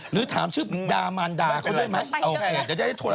หรือถามชื่อดามันดาเขาได้มั้ย